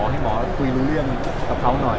ให้หมอคุยรู้เรื่องกับเขาหน่อย